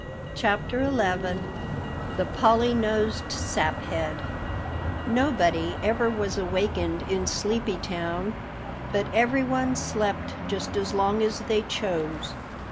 CHAPTER XI THE POLLY NOSED SAPHEAD NOBODY ever was awakened in Sleepy Town, but everyone slept just as long as they chose.